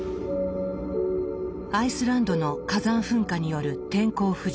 アイスランドの火山噴火による天候不順。